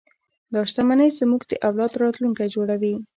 دا شتمنۍ زموږ د اولاد راتلونکی جوړوي.